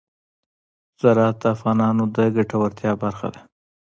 زراعت د افغانانو د ګټورتیا برخه ده.